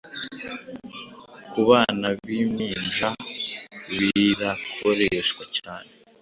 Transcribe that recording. ku bana b’impinja birakoreshwa cyane